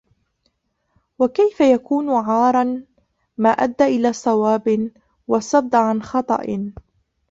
وَكَيْفَ يَكُونُ عَارًا مَا أَدَّى إلَى صَوَابٍ وَصَدَّ عَنْ خَطَأٍ